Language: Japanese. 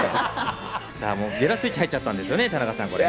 ゲラスイッチ入っちゃったんですね、田中さん。